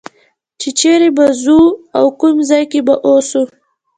چې چېرې به ځو او کوم ځای کې به اوسو.